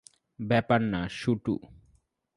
ব্যাপার না, শুটু।